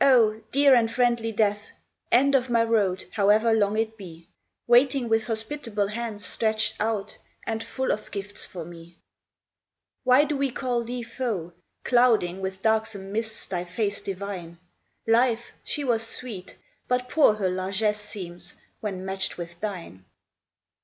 H, dear and friendly Death, End of my road, however long it be, Waiting with hospitable hands stretched out And full of gifts for me ! Why do we call thee foe, Clouding with darksome mists thy face divine ? Life, she was sweet, but poor her largess seems When matched with thine.